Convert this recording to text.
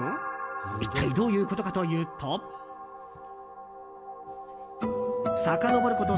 一体どういうことかというとさかのぼること